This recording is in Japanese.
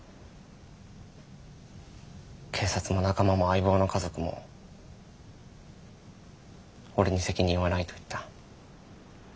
警察も仲間も相棒の家族も俺に責任はないと言った。